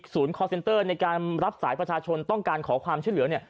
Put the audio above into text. สูญคอร์เซ็นเตอร์ในการรับสายประชาชนต้องการขอความเชื่อเหลือเนี่ย